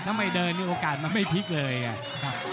ถ้าไม่เดินนี่โอกาสมันไม่พลิกเลยอ่ะ